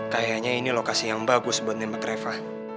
kayaknya ini lokasi yang bagus buat nembak reva